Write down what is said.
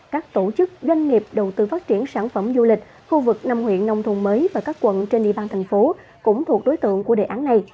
các tổ chức doanh nghiệp đầu tư phát triển sản phẩm du lịch khu vực năm huyện nông thôn mới và các quận trên địa bàn thành phố cũng thuộc đối tượng của đề án này